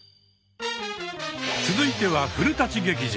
続いては「古劇場」。